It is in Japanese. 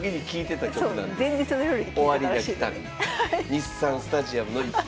日産スタジアムの１曲目。